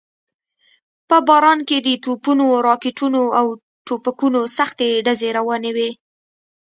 په باران کې د توپونو، راکټونو او ټوپکونو سختې ډزې روانې وې.